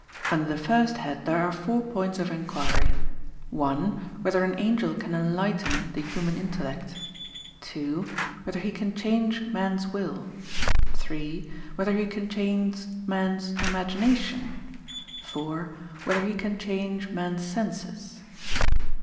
Under the first head there are four points of inquiry: (1) Whether an angel can enlighten the human intellect? (2) Whether he can change man's will? (3) Whether he can change man's imagination? (4) Whether he can change man's senses?